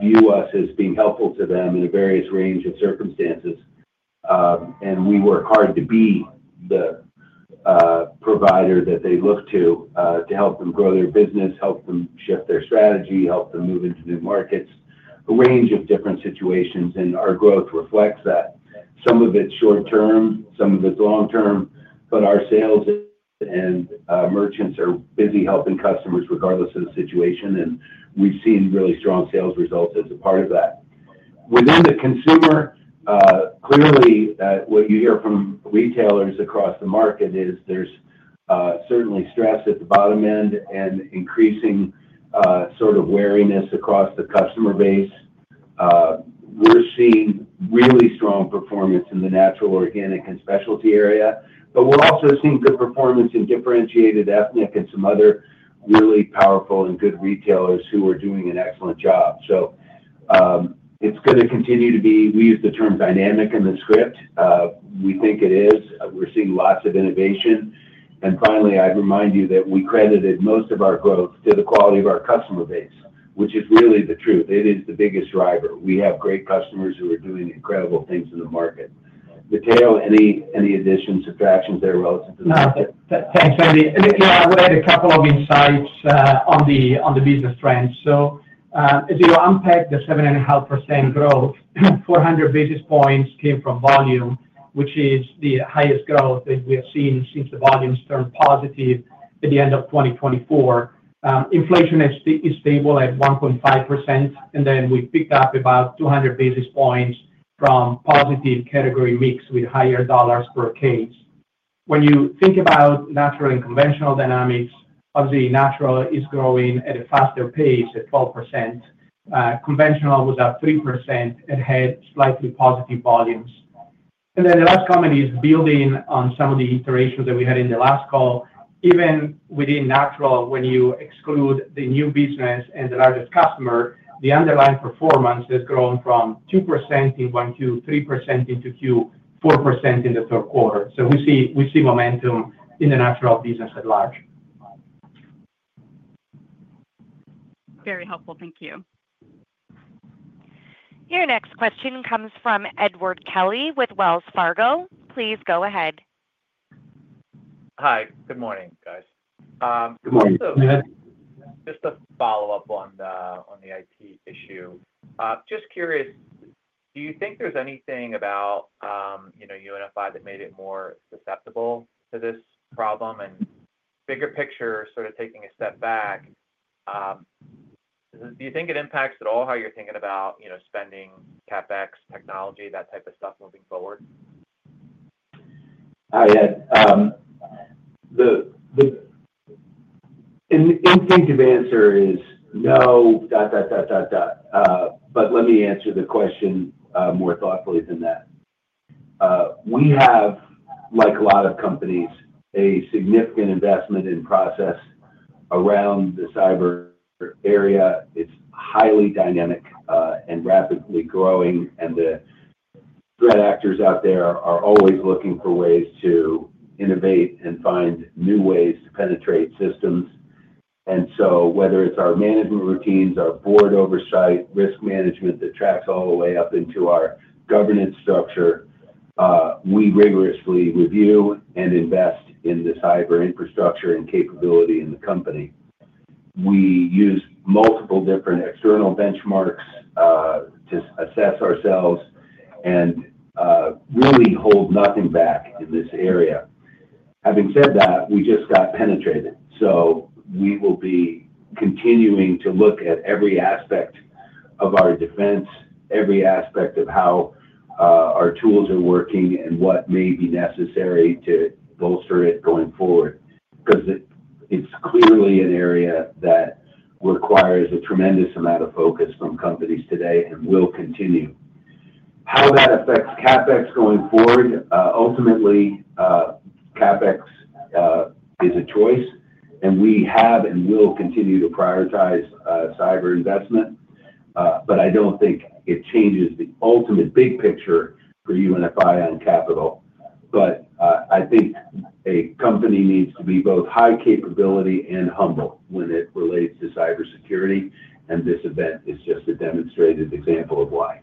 view us as being helpful to them in a various range of circumstances. We work hard to be the provider that they look to to help them grow their business, help them shift their strategy, help them move into new markets, a range of different situations. Our growth reflects that. Some of it's short term, some of it's long term. Our sales and merchants are busy helping customers regardless of the situation. We've seen really strong sales results as a part of that. Within the consumer, clearly, what you hear from retailers across the market is there is certainly stress at the bottom end and increasing sort of wariness across the customer base. We are seeing really strong performance in the natural, organic, and specialty area. We are also seeing good performance in differentiated ethnic and some other really powerful and good retailers who are doing an excellent job. It is going to continue to be, we use the term dynamic in the script. We think it is. We are seeing lots of innovation. Finally, I would remind you that we credited most of our growth to the quality of our customer base, which is really the truth. It is the biggest driver. We have great customers who are doing incredible things in the market. Matteo, any additions, subtractions there relative to the market? Thanks, Sandy. Yeah, I've read a couple of insights on the business trends. As you unpack the 7.5% growth, 400 basis points came from volume, which is the highest growth that we have seen since the volumes turned positive at the end of 2024. Inflation is stable at 1.5%. We picked up about 200 basis points from positive category mix with higher dollars per case. When you think about natural and conventional dynamics, obviously, natural is growing at a faster pace at 12%. Conventional was up 3% and had slightly positive volumes. The last comment is building on some of the iterations that we had in the last call. Even within natural, when you exclude the new business and the largest customer, the underlying performance has grown from 2% in one Q, 3% in two Q, 4% in the third quarter. We see momentum in the natural business at large. Very helpful. Thank you. Your next question comes from Edward Kelly with Wells Fargo. Please go ahead. Hi. Good morning, guys. Good morning, Samed. Just a follow-up on the IT issue. Just curious, do you think there's anything about UNFI that made it more susceptible to this problem? Bigger picture, sort of taking a step back, do you think it impacts at all how you're thinking about spending, CapEx, technology, that type of stuff moving forward? Yeah. The instinctive answer is no... but let me answer the question more thoughtfully than that. We have, like a lot of companies, a significant investment in process around the cyber area. It is highly dynamic and rapidly growing. The threat actors out there are always looking for ways to innovate and find new ways to penetrate systems. Whether it is our management routines, our board oversight, risk management that tracks all the way up into our governance structure, we rigorously review and invest in this hyper-infrastructure and capability in the company. We use multiple different external benchmarks to assess ourselves and really hold nothing back in this area. Having said that, we just got penetrated. We will be continuing to look at every aspect of our defense, every aspect of how our tools are working, and what may be necessary to bolster it going forward because it is clearly an area that requires a tremendous amount of focus from companies today and will continue. How that affects CapEx going forward? Ultimately, CapEx is a choice. We have and will continue to prioritize cyber investment. I do not think it changes the ultimate big picture for UNFI on capital. I think a company needs to be both high capability and humble when it relates to cybersecurity. This event is just a demonstrated example of why.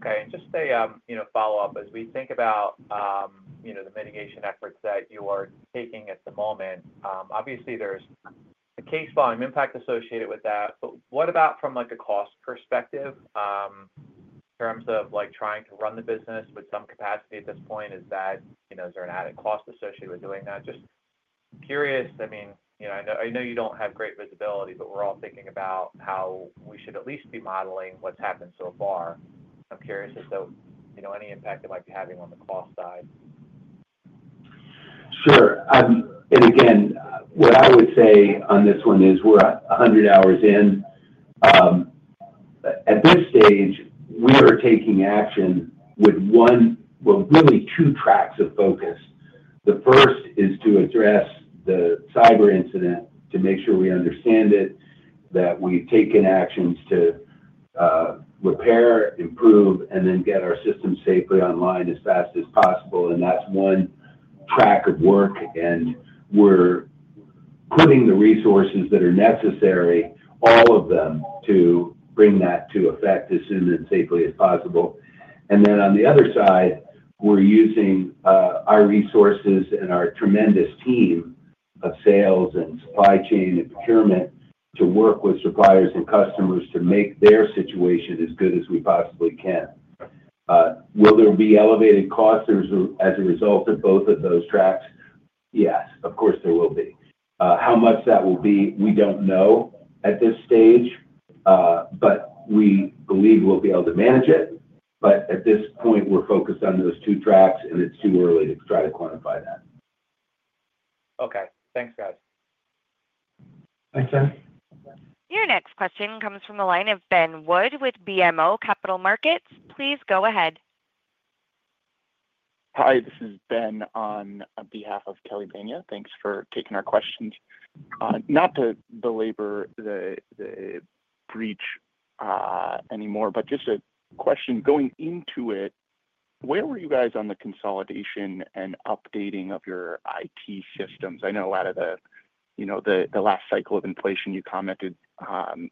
Okay. Just a follow-up. As we think about the mitigation efforts that you are taking at the moment, obviously, there's a case volume impact associated with that. What about from a cost perspective in terms of trying to run the business with some capacity at this point? Is there an added cost associated with doing that? Just curious. I mean, I know you do not have great visibility, but we are all thinking about how we should at least be modeling what has happened so far. I am curious as to any impact it might be having on the cost side. Sure. What I would say on this one is we're 100 hours in. At this stage, we are taking action with one, well, really two tracks of focus. The first is to address the cyber incident to make sure we understand it, that we've taken actions to repair, improve, and then get our systems safely online as fast as possible. That is one track of work. We're putting the resources that are necessary, all of them, to bring that to effect as soon and safely as possible. On the other side, we're using our resources and our tremendous team of sales and supply chain and procurement to work with suppliers and customers to make their situation as good as we possibly can. Will there be elevated costs as a result of both of those tracks? Yes. Of course, there will be. How much that will be, we do not know at this stage. We believe we will be able to manage it. At this point, we are focused on those two tracks, and it is too early to try to quantify that. Okay. Thanks, guys. Thanks, Sam. Your next question comes from the line of Ben Wood with BMO Capital Markets. Please go ahead. Hi. This is Ben on behalf of Kelly Bania. Thanks for taking our questions. Not to belabor the breach anymore, but just a question going into it. Where were you guys on the consolidation and updating of your IT systems? I know a lot of the last cycle of inflation, you commented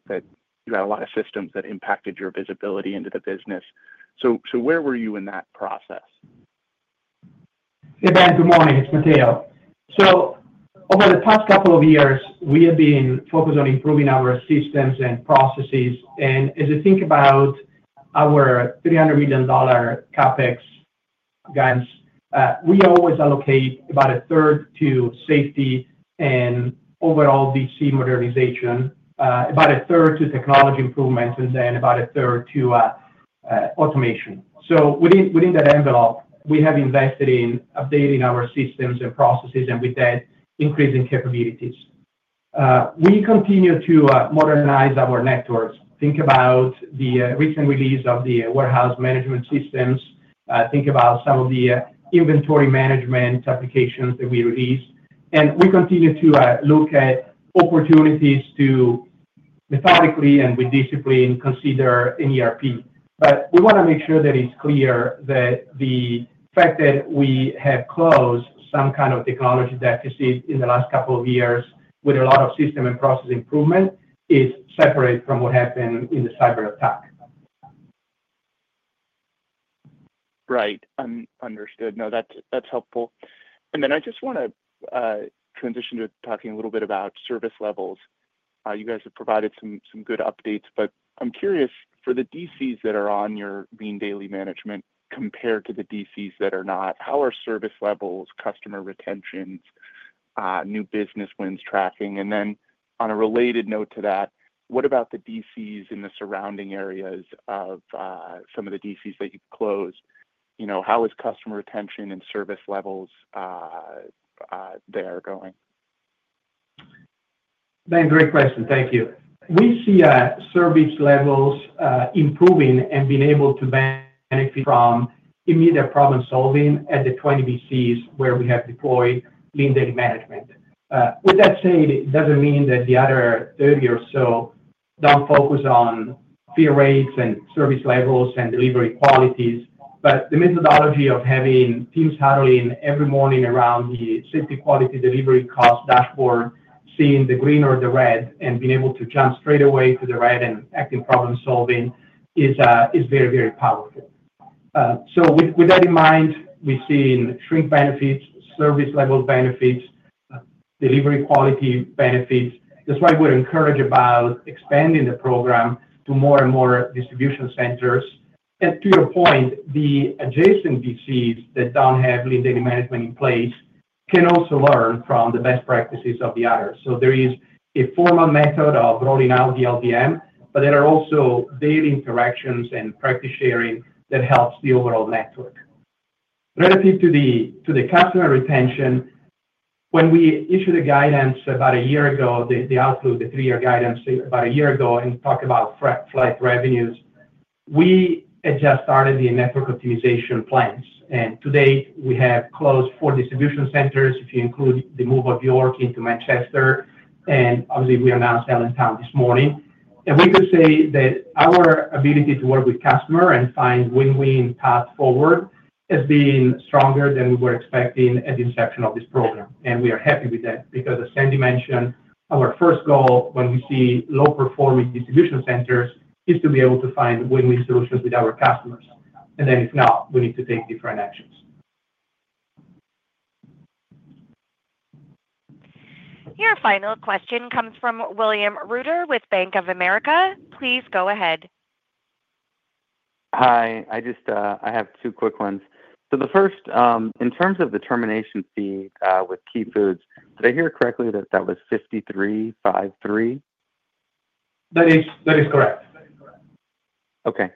that you had a lot of systems that impacted your visibility into the business. So where were you in that process? Hey, Ben. Good morning. It's Matteo. Over the past couple of years, we have been focused on improving our systems and processes. As you think about our $300 million CapEx, guys, we always allocate about a third to safety and overall DC modernization, about a third to technology improvements, and about a third to automation. Within that envelope, we have invested in updating our systems and processes and with that, increasing capabilities. We continue to modernize our networks. Think about the recent release of the warehouse management systems. Think about some of the inventory management applications that we released. We continue to look at opportunities to methodically and with discipline consider an ERP. We want to make sure that it's clear that the fact that we have closed some kind of technology deficit in the last couple of years with a lot of system and process improvement is separate from what happened in the cyber attack. Right. Understood. No, that's helpful. I just want to transition to talking a little bit about service levels. You guys have provided some good updates. I'm curious, for the DCs that are on your lean daily management compared to the DCs that are not, how are service levels, customer retentions, new business wins tracking? On a related note to that, what about the DCs in the surrounding areas of some of the DCs that you've closed? How is customer retention and service levels there going? Ben, great question. Thank you. We see service levels improving and being able to benefit from immediate problem-solving at the 20 distribution centers where we have deployed Lean Daily Management. With that said, it does not mean that the other 30 or so do not focus on fill rates and service levels and delivery qualities. The methodology of having teams huddling every morning around the safety, quality, delivery, cost dashboard, seeing the green or the red, and being able to jump straight away to the red and act in problem-solving is very, very powerful. With that in mind, we have seen shrink benefits, service level benefits, delivery quality benefits. That is why we are encouraged about expanding the program to more and more distribution centers. To your point, the adjacent distribution centers that do not have lean daily management in place can also learn from the best practices of the others. There is a formal method of rolling out the LDM, but there are also daily interactions and practice sharing that helps the overall network. Relative to the customer retention, when we issued a guidance about a year ago, the outlook, the three-year guidance about a year ago, and talk about flight revenues, we had just started the network optimization plans. To date, we have closed four distribution centers if you include the move of York into Manchester. Obviously, we announced Allentown this morning. We could say that our ability to work with customer and find win-win path forward has been stronger than we were expecting at the inception of this program. We are happy with that because, as Sandy mentioned, our first goal when we see low-performing distribution centers is to be able to find win-win solutions with our customers. If not, we need to take different actions. Your final question comes from William Ruder with Bank of America. Please go ahead. Hi. I have two quick ones. The first, in terms of the termination fee with Key Food, did I hear correctly that that was $53.53? That is correct. Okay.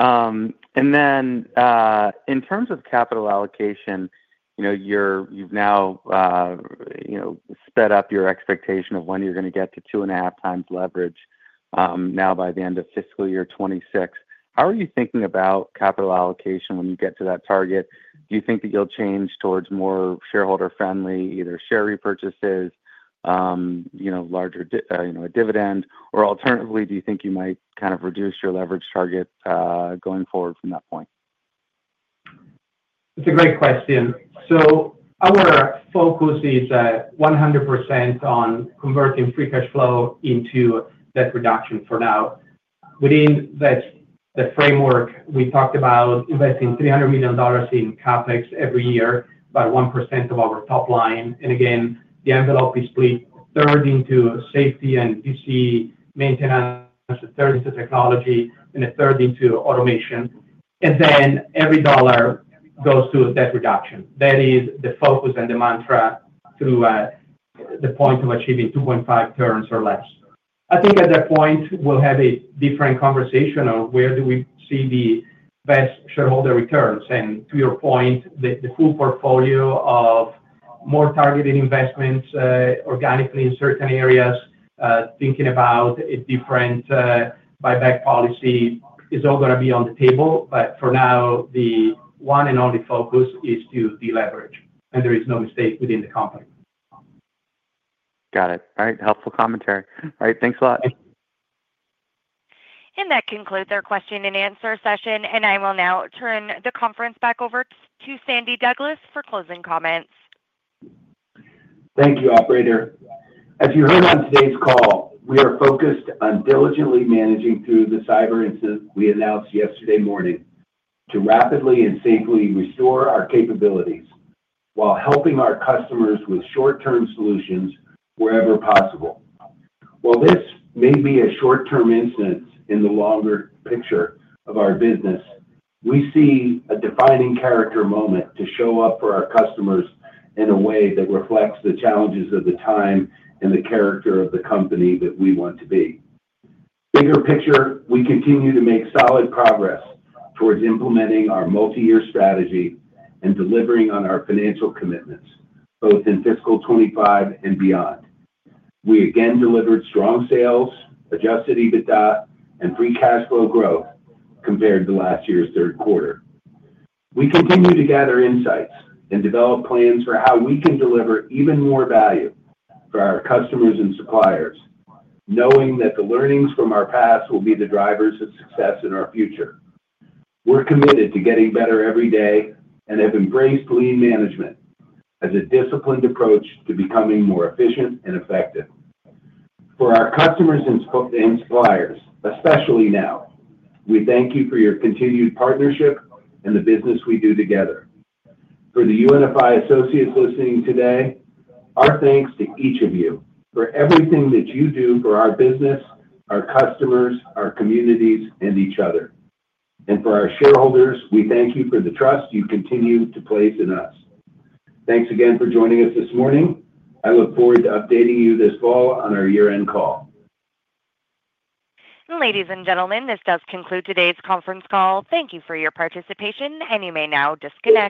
In terms of capital allocation, you've now sped up your expectation of when you're going to get to two and a half times leverage now by the end of fiscal year 2026. How are you thinking about capital allocation when you get to that target? Do you think that you'll change towards more shareholder-friendly, either share repurchases, larger dividend? Alternatively, do you think you might kind of reduce your leverage target going forward from that point? That's a great question. Our focus is 100% on converting free cash flow into that reduction for now. Within that framework, we talked about investing $300 million in CapEx every year, about 1% of our top line. The envelope is split a third into safety and DC maintenance, a third into technology, and a third into automation. Every dollar goes to that reduction. That is the focus and the mantra through the point of achieving 2.5 turns or less. I think at that point, we'll have a different conversation on where do we see the best shareholder returns. To your point, the full portfolio of more targeted investments organically in certain areas, thinking about a different buyback policy, is all going to be on the table. For now, the one and only focus is to deleverage. There is no mistake within the company. Got it. All right. Helpful commentary. All right. Thanks a lot. That concludes our question and answer session. I will now turn the conference back over to Sandy Douglas for closing comments. Thank you, Operator. As you heard on today's call, we are focused on diligently managing through the cyber incident we announced yesterday morning to rapidly and safely restore our capabilities while helping our customers with short-term solutions wherever possible. While this may be a short-term incident in the longer picture of our business, we see a defining character moment to show up for our customers in a way that reflects the challenges of the time and the character of the company that we want to be. Bigger picture, we continue to make solid progress towards implementing our multi-year strategy and delivering on our financial commitments, both in fiscal 2025 and beyond. We again delivered strong sales, adjusted EBITDA, and free cash flow growth compared to last year's third quarter. We continue to gather insights and develop plans for how we can deliver even more value for our customers and suppliers, knowing that the learnings from our past will be the drivers of success in our future. We're committed to getting better every day and have embraced lean management as a disciplined approach to becoming more efficient and effective. For our customers and suppliers, especially now, we thank you for your continued partnership and the business we do together. For the UNFI associates listening today, our thanks to each of you for everything that you do for our business, our customers, our communities, and each other. For our shareholders, we thank you for the trust you continue to place in us. Thanks again for joining us this morning. I look forward to updating you this fall on our year-end call. Ladies and gentlemen, this does conclude today's conference call. Thank you for your participation. You may now disconnect.